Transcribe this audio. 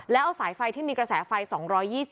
แล้วเอาสายไฟที่มีกระแสไฟ๒๒๐